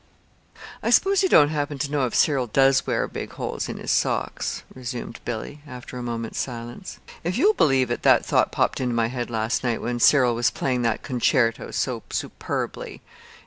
"I suppose you don't happen to know if Cyril does wear big holes in his socks," resumed Billy, after a moment's silence. "If you'll believe it, that thought popped into my head last night when Cyril was playing that concerto so superbly.